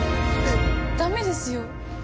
ダメですよ。